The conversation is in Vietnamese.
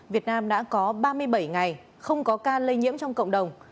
việt nam đã có ba mươi bảy ngày không có ca lây nhiễm trong cộng đồng